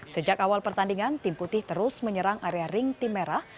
sejak awal pertandingan tim putih terus menyerang area ring tim merah